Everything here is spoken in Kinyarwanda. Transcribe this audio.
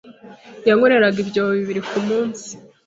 yankoreraga ibyobo bibiri ku munsi